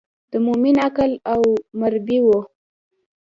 د مومن عقل او مربي و.